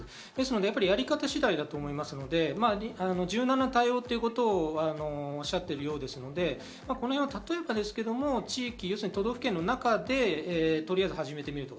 やっぱりやり方次第だと思いますので、柔軟な対応ということをおっしゃっているようですので例えば都道府県の中でとりあえず始めてみるとか。